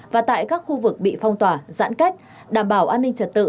và tại các khu vực bị phong tỏa giãn cách đảm bảo an ninh trật tự